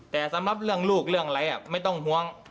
แต่สำหรับเรื่องลูกเรื่องอะไรไม่ต้องห่วง